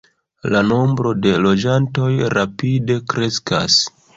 La nombro de loĝantoj rapide kreskas.